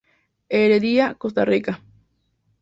Heredia, Costa Rica.